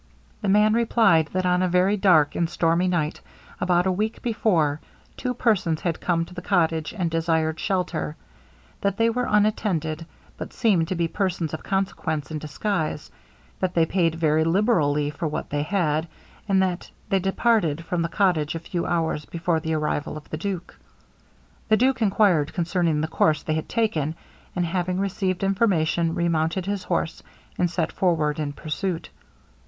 The man replied, that on a very dark and stormy night, about a week before, two persons had come to the cottage, and desired shelter. That they were unattended; but seemed to be persons of consequence in disguise. That they paid very liberally for what they had; and that they departed from the cottage a few hours before the arrival of the duke. The duke enquired concerning the course they had taken, and having received information, remounted his horse, and set forward in pursuit.